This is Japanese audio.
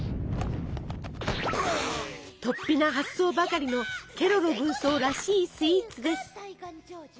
とっぴな発想ばかりのケロロ軍曹らしいスイーツです。